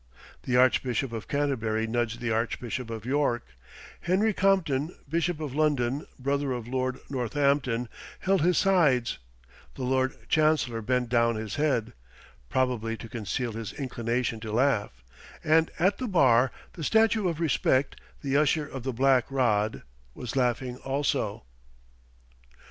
The Archbishop of Canterbury nudged the Archbishop of York; Henry Compton, Bishop of London, brother of Lord Northampton, held his sides; the Lord Chancellor bent down his head, probably to conceal his inclination to laugh; and, at the bar, that statue of respect, the Usher of the Black Rod, was laughing also.